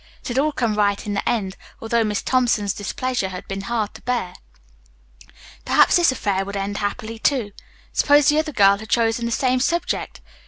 It had all come right in the end, although Miss Thompson's displeasure had been hard to bear. Perhaps this affair would end happily, too. Suppose the other girl had chosen the same subject?